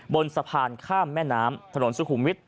บนสะพานข้ามแม่น้ำถนนสุขุมวิทย